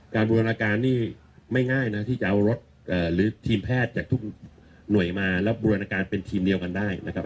บูรณาการนี่ไม่ง่ายนะที่จะเอารถหรือทีมแพทย์จากทุกหน่วยมารับบูรณาการเป็นทีมเดียวกันได้นะครับ